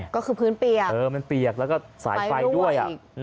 ก็คือพื้นเปียกมันเปียกแล้วก็สายไฟด้วย